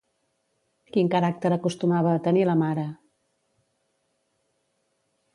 Quin caràcter acostumava a tenir la mare?